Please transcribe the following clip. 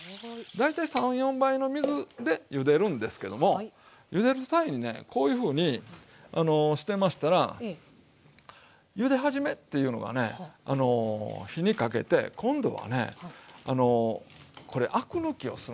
大体３４倍の水でゆでるんですけどもゆでる際にねこういうふうにしてましたらゆで始めっていうのがね火にかけて今度はねこれアク抜きをするんですよ。